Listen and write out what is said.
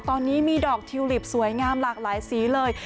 ตอนนี้มีดอกทิวลิปสวยงามหลากหลายสีเลย